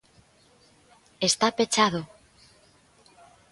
Está pechado.